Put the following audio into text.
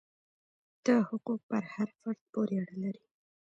دا حقوق پر هر فرد پورې اړه لري.